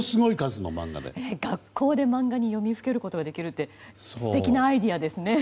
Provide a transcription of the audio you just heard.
学校で、漫画に読みふけることができるって素敵なアイデアですね。